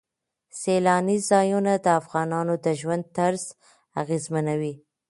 سیلاني ځایونه د افغانانو د ژوند طرز اغېزمنوي.